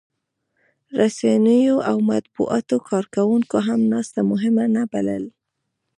رسنیو او د مطبوعاتو کارکوونکو هم ناسته مهمه نه بلله